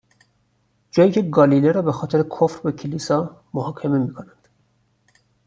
جایی که گالیله را به خاطر کفر به کلیسا، محاکمه می کنند.